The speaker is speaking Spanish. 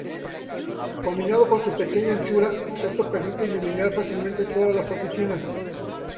Combinado con su pequeña anchura, esto permite iluminar fácilmente todas las oficinas.